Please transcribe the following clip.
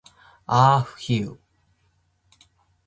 ahfuhiu